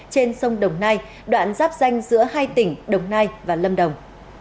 trên sông đồng nai đoạn giáp danh giữa hai tỉnh đồng nai và lâm đồng